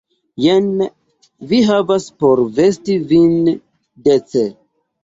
Jen vi havas por vesti vin dece.